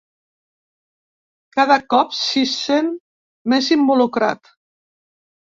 Cada cop s'hi sent més involucrat.